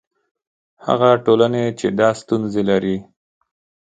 هغه ټولنې چې دا ستونزې لري.